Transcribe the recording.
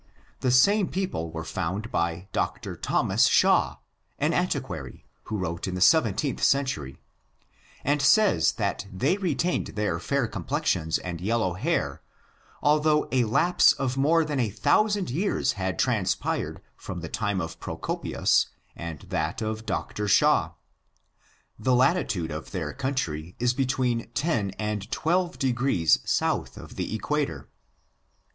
The same people were found by Dr. Thomas Shaw, the antiquary, who wrote in the 17th century, and says, that they retained their fair complexions and yellow hair, although a lapse of more than a thousand years had transpired from the time of Pro copius, and that of Dr. Shaw. The latitude of their country is between 10 and 12 degrees south of the equator.